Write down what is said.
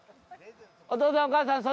お父さんお母さん。